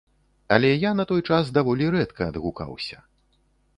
Але я на той час даволі рэдка адгукаўся.